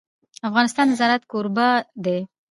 افغانستان د زراعت کوربه دی.